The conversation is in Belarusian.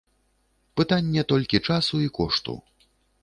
Пытанне толькі часу і кошту.